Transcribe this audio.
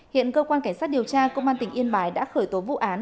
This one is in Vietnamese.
hiện cơ quan cảnh sát điều tra công an tỉnh yên bái đã khởi tố vụ án